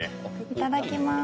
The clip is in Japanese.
いただきます。